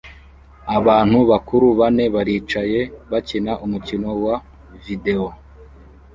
Abantu bakuru bane baricaye bakina umukino wa videwo